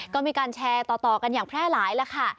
ก็มีการแชร์ต่อกันอย่างแพร่หลายแล้วค่ะ